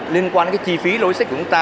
liên quan chi phí logistic của chúng ta